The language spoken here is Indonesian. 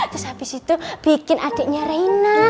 terus habis itu bikin adiknya reina